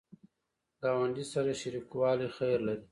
ګاونډي سره شریکوالی خیر لري